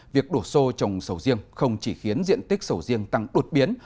việc đổ xô trồng sầu riêng không chỉ khiến diện tích sầu riêng tăng đột biến